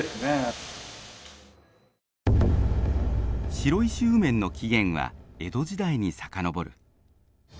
白石温麺の起源は江戸時代に遡る。